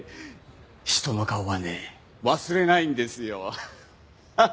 人の顔はね忘れないんですよ。ハハハハハ！